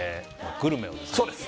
グルメをですね